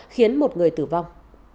khiến một người tử vong